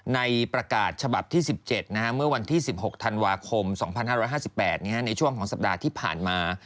ในประกาศฉบับที่๑๗เมื่อวันที่๑๖ธันวาคม๒๕๕๘ในช่วงของสัปดาห์ที่ผ่านมา